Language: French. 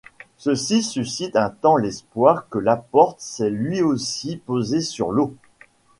Ceci suscite un temps l’espoir que Laporte s’est lui aussi posé sur l’eau.